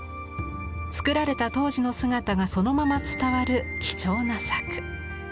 作られた当時の姿がそのまま伝わる貴重な作。